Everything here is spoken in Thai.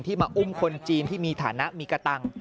มาอุ้มคนจีนที่มีฐานะมีกระตัง